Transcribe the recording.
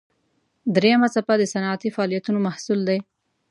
دریمه څپه د صنعتي فعالیتونو محصول دی.